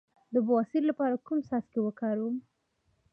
د بواسیر لپاره کوم څاڅکي وکاروم؟